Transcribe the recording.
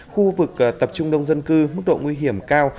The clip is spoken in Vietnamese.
khu vực tập trung đông dân cư mức độ nguy hiểm cao